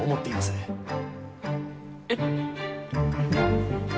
えっ。